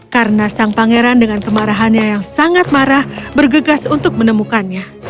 karena sang pangeran dengan kemarahannya yang sangat marah bergegas untuk menemukannya